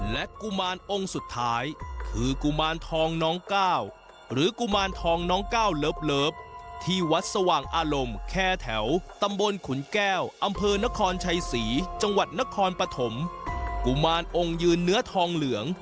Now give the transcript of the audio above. และกุมารองค์สุดท้ายคือกุมารทองน้องก้าวหรือกุมารทองน้องก้าวเลิฟที่วัดสว่างอารมณ์แค่แถวตำบลขุนแก้วอำเภอนครชัยศรีจังหวัดนครปฐมกุมารองค์ยืนเนื้อทองเหลือง